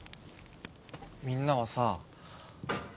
みんなはさ